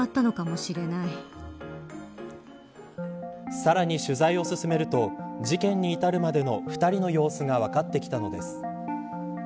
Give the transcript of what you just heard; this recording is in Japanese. さらに取材を進めると事件にいたるまでの２人の様子が分かってきたのです。